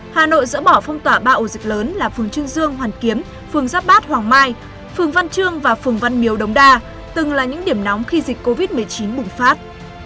hà nội dỡ bỏ phong tỏa ba ổ dịch lớn là phường trương dương hoàn kiếm phường giáp bát hoàng mai phường văn trương và phường văn miếu đống đa từng là những điểm nóng khi dịch covid một mươi chín bùng phát